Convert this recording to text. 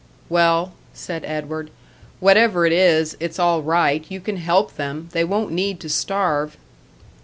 "Well," said Edward, "whatever it is, it's all right, you can help them. They won't need to starve."